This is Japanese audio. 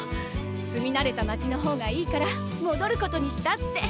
住み慣れた街の方がいいからもどることにしたって。